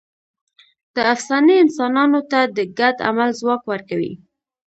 دا افسانې انسانانو ته د ګډ عمل ځواک ورکوي.